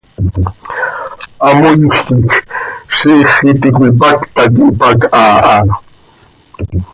Hamoiij quij, ziix iti cöipacta quih pac haa ha.